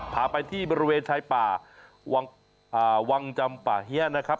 พาไปที่บริเวณชายป่าวังจำป่าเฮียนะครับ